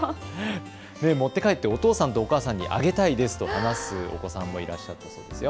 持って帰ってお父さんとお母さんにあげたいですと話すお子さんもいたそうです。